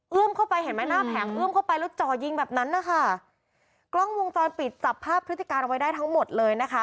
เข้าไปเห็นไหมหน้าแผงเอื้อมเข้าไปแล้วจ่อยิงแบบนั้นนะคะกล้องวงจรปิดจับภาพพฤติการเอาไว้ได้ทั้งหมดเลยนะคะ